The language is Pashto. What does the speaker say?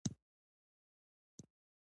ځان سره چترۍ راواخله